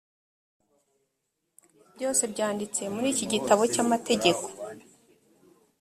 byose byanditse muri iki gitabo cy’amategeko.